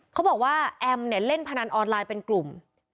เขาบอกว่าแอมเนี่ยเล่นพนันออนไลน์เป็นกลุ่ม